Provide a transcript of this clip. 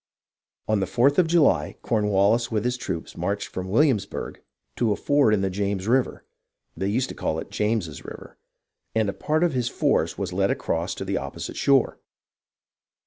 On the 4th of July Cornwallis with his troops marched from Williamsburgh to a ford in the James River (they used to call it "James's river"), and a part of his force was led across to the opposite shore.